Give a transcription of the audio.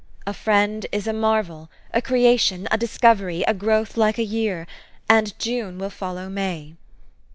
A friend is a marvel, a creation, a discovery, a growth like a year; and June will follow May."